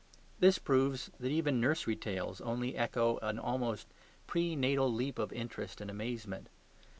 This proves that even nursery tales only echo an almost pre natal leap of interest and amazement.